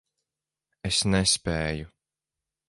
Es nespēju.